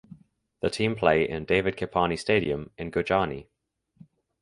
The team play in David Kipiani Stadium in Gurjaani.